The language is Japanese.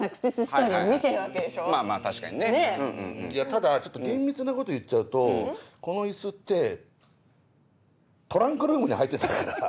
ただ厳密なこと言っちゃうとこのイスってトランクルームに入ってたから。